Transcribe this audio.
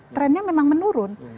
trennya memang menurun